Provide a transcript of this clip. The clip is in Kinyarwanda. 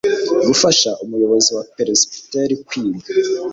gufasha umuyobozi wa peresibiteri kwiga